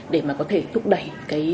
để mà có thể thúc đẩy